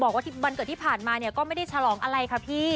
บอกว่าวันเกิดที่ผ่านมาเนี่ยก็ไม่ได้ฉลองอะไรค่ะพี่